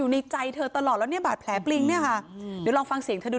ที่ตอนที่รถพลิกลงไปอ่ะก็อยู่ในลักษณะควั่งหงายท้องเลยหงายแล้วตัว